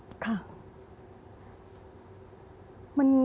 มีความผูกพันกับแม่น้ำโขงมาก